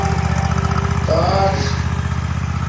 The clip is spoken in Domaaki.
تاݽ